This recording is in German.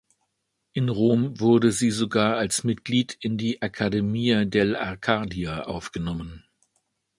In Rom wurde sie sogar als Mitglied in die Accademia dell’Arcadia aufgenommen.